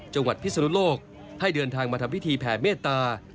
พิศนุโลกให้เดินทางมาทำพิธีแผ่เมตตา